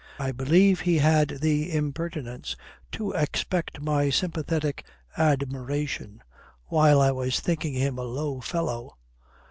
"I believe he had the impertinence to expect my sympathetic admiration. While I was thinking him a low fellow.